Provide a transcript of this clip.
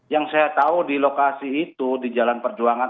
yang saya tahu di lokasi itu di jalan perjuangan